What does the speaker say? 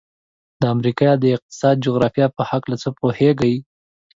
د امریکا د اقتصادي جغرافیې په هلکه څه پوهیږئ؟